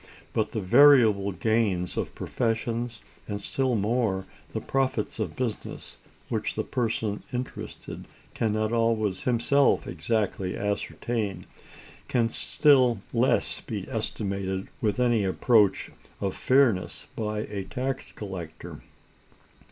But the variable gains of professions, and still more the profits of business, which the person interested can not always himself exactly ascertain, can still less be estimated with any approach to fairness by a tax collector.